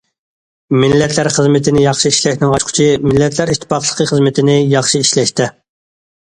مىللەتلەر خىزمىتىنى ياخشى ئىشلەشنىڭ ئاچقۇچى مىللەتلەر ئىتتىپاقلىقى خىزمىتىنى ياخشى ئىشلەشتە.